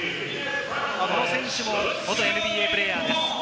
この選手も元ＮＢＡプレーヤーです。